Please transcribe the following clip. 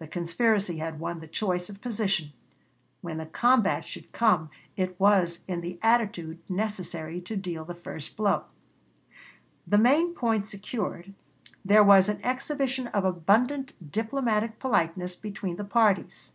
The conspiracy had won the choice of position; when the combat should come it was in the attitude necessary to deal the first blow. [Illustration: LEWIS CASS.] The main point secured, there was an exhibition of abundant diplomatic politeness between the parties.